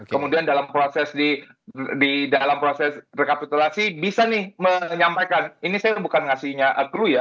kemudian dalam proses rekapitulasi bisa menyampaikan ini saya bukan ngasihnya ke dulu ya